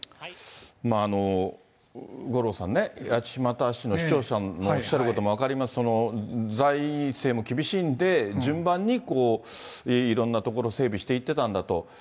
五郎さん、八街市の市長さんのおっしゃることも分かります、財政も厳しいんで、順番にいろんな所、整備していってたんだと。